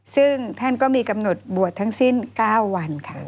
ซึ่งท่านก็มีกำหนดบวชทั้งสิ้น๙วันค่ะ